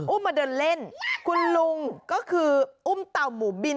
มาเดินเล่นคุณลุงก็คืออุ้มเต่าหมูบิน